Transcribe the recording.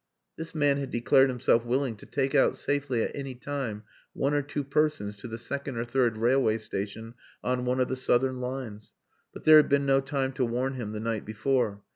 This man had declared himself willing to take out safely, at any time, one or two persons to the second or third railway station on one of the southern lines. But there had been no time to warn him the night before.